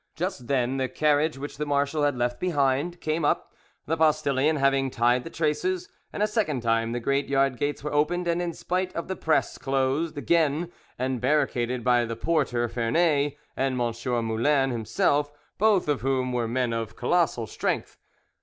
Just then the carriage, which the marshal had left behind, came up, the postillion having tied the traces, and a second time the great yard gates were opened, and in spite of the press closed again and barricaded by the porter Vernet, and M. Moulin himself, both of whom were men of colossal strength.